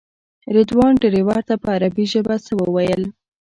رضوان ډریور ته په عربي ژبه څه وویل.